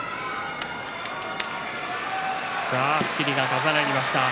仕切りが重なりました。